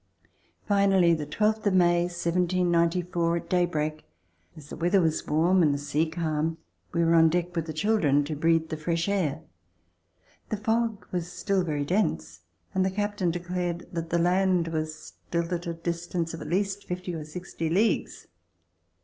Finally, the twelfth of May, 1794, at daybreak, as the weather was warm and the sea calm, we were on deck with the children to breathe the fresh air. The fog was still very dense, and the captain declared that the [18.] RECOLLECTIONS OF THE REVOLUTION land was still at a distance of at least fifty or sixty leagues.